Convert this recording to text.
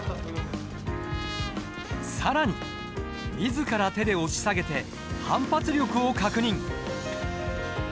更に自ら手で押し下げて反発力を確認。